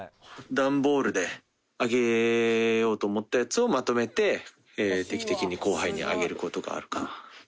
段ボールであげようと思ったやつをまとめて、定期的に後輩にあげることがあるかな。